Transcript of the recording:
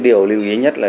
điều lưu ý nhất là